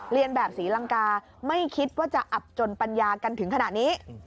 เรียนแบบศรีลังกาไม่คิดว่าจะอับจนปัญญากันถึงขนาดนี้